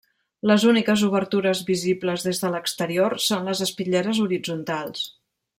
Les úniques obertures visibles des de l'exterior són les espitlleres horitzontals.